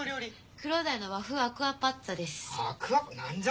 黒鯛の和風アクアパッツァです。